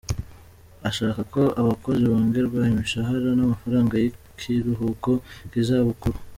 Ashaka ko abakozi bongererwa imishahara n'amafaranga y'ikiruhuko k'izabukuru.